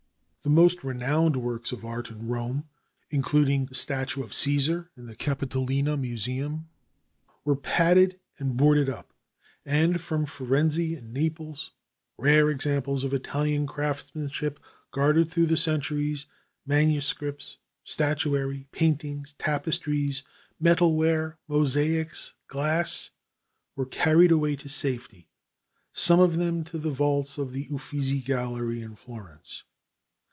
The most renowned works of art in Rome, including the statue of Caesar in the Capitoline Museum, were padded and boarded up, and from Firenze and Naples rare examples of Italian craftsmanship, guarded through the centuries manuscripts, statuary, paintings, tapestries, metalware, mosaics, glass were carried away to safety, some of them to the vaults of the Uffizi Gallery in Florence.